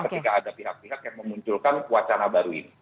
ketika ada pihak pihak yang memunculkan wacana baru ini